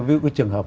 ví dụ cái trường hợp